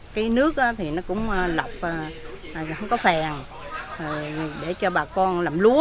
cái nước thì nó cũng lọc nó không có phèn để cho bà con làm lúa